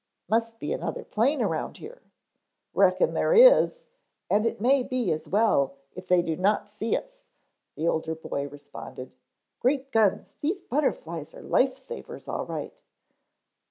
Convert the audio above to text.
"Must be another plane around here." "Reckon there is and it may be as well if they do not see us," the older boy responded. "Great guns, these butterflies are life savers all right."